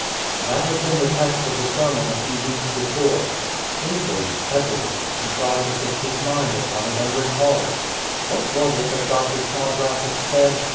That had been the text of the sermon a few weeks before. Sleepily, heavily, he tried to fix his mind upon it and recall it. What was it that Doctor Snodgrass had said?